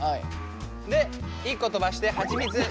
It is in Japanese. で１個飛ばしてハチミツ５０ｇ。